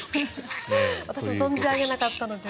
私も存じ上げなかったので。